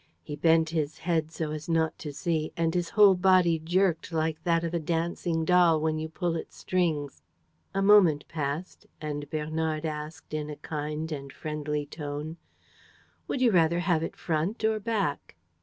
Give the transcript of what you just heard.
He bent his head so as not to see; and his whole body jerked like that of a dancing doll when you pull its strings. A moment passed; and Bernard asked, in a kind and friendly tone: "Would you rather have it front or back?"